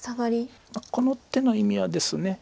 この手の意味はですね